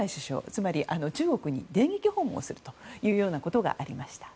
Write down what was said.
つまり中国に電撃訪問するということがありました。